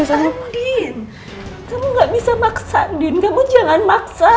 sandin kamu gak bisa maksa kamu jangan maksa